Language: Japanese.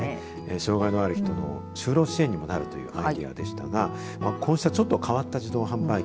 障害のある人の就労支援にもなるというアイデアでしたがこうしたちょっと変わった自動販売機